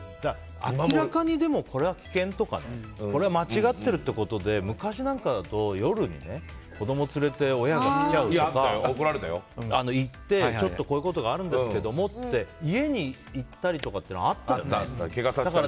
明らかにこれは危険とかこれは間違っているということで昔なんかだと、夜に子供を連れて親が来ちゃうとか行って、こういうことがあるんですけどって家に行ったりとかあったよね。